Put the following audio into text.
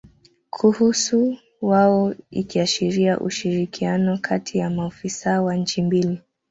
kuhusu wao ikiashiria ushirikiano kati ya maofisa wa nchi mbili